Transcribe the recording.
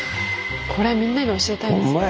これみんなに教えたいですね。